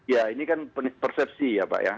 ya ini kan persepsi ya pak ya